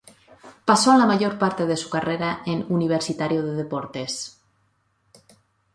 Pasó la mayor parte de su carrera en Universitario de Deportes.